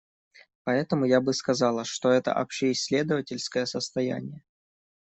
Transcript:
Поэтому я бы сказала, что это общеисследовательское состояние.